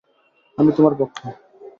আমি তোমার পক্ষে।